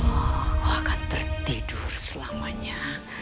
aku akan tertidur selamanya